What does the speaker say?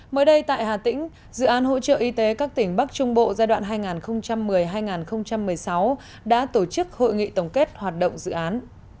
mới đây tại hà tĩnh dự án hỗ trợ y tế các tỉnh bắc trung bộ giai đoạn hai nghìn một mươi hai nghìn một mươi sáu đã tổ chức hội nghị tổng kết hoạt động dự án